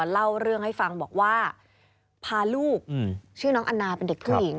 เล่าเรื่องให้ฟังบอกว่าพาลูกชื่อน้องอันนาเป็นเด็กผู้หญิง